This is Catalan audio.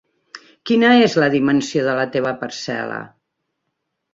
Quina és la dimensió de la teva parcel·la?